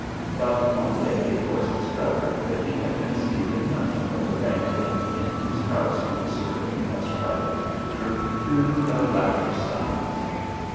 But one day it was discovered that he had been stealing money from the banker in whose house he was serving as private tutor to the latter's sons.